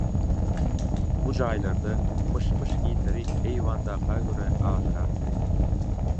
Bu jaýlarda "myş-myş" hinleri eýwandaka görä azyrakdy.